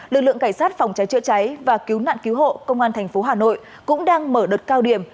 lực lượng cảnh sát phòng cháy chữa cháy và cứu nạn cứu hộ công an thành phố hà nội cũng đang mở đợt cao điểm